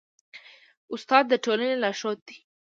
استاد د ټولني لارښود دی.